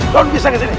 daun bisa ke sini